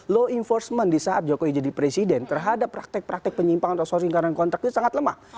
law enforcement di saat jokowi jadi presiden terhadap praktek praktek penyimpangan resourcing karena kontrak itu sangat lemah